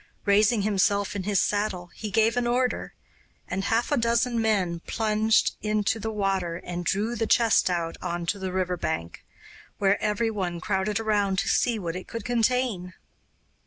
Raising himself in his saddle, he gave an order, and half a dozen men plunged into the water and drew the chest out on to the river bank, where every one crowded around to see what it could contain.